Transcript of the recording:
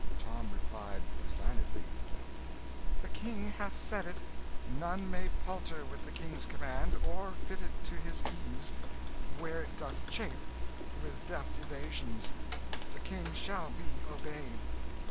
Tom replied resignedly "The King hath said it. None may palter with the King's command, or fit it to his ease, where it doth chafe, with deft evasions. The King shall be obeyed."